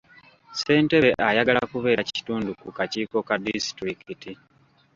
Ssentebe ayagala kubeera kitundu ku kakiiko ka disitulikiti.